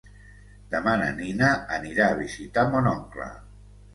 Demà na Nina anirà a visitar mon oncle.